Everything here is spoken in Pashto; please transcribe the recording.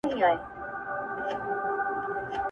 شپې پر ښار خېمه وهلې- رڼا هېره ده له خلکو-